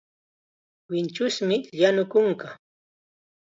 Winchusmi llanu kunka.